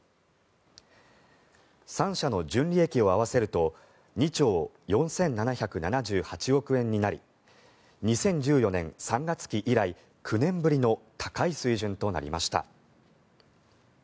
３社の純利益を合わせると２兆４７７８億円になり２０１４年３月期以来９年ぶりの高い水準となりました。